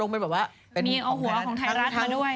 มีเอาหัวของไทยรัฐมาด้วย